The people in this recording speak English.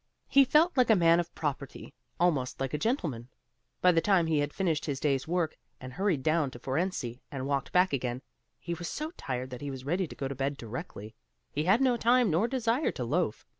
He felt like a man of property, almost like a gentleman. By the time he had finished his day's work, and hurried down to Fohrensee and walked back again, he was so tired that he was ready to go to bed directly; he had no time nor desire to loaf.